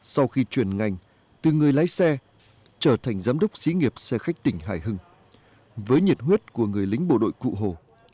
sau khi chuyển ngành từ người lái xe trở thành giám đốc xí nghiệp xe khách tỉnh hải hưng với nhiệt huyết của người lính bộ đội cụ hồ